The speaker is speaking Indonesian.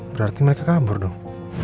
berarti mereka kabur dong